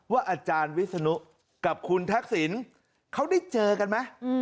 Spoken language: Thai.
อาจารย์วิศนุกับคุณทักษิณเขาได้เจอกันไหม